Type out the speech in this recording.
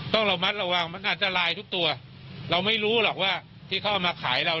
ต้องระมัดระวังมันอาจจะลายทุกตัวเราไม่รู้หรอกว่าที่เขาเอามาขายเรา